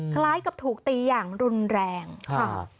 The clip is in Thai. คล้ายกับถูกตีอย่างรุนแรงครับ